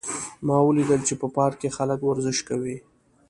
ما ولیدل چې په پارک کې خلک ورزش کوي